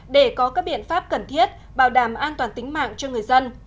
để có các biện pháp cần thiết bảo đảm an toàn tính mạng cho người dân